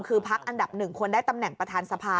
คือพักอันดับ๑ควรได้ตำแหน่งประธานสภา